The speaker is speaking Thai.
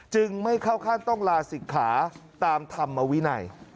ไม่เข้าขั้นต้องลาศิกขาตามธรรมวินัย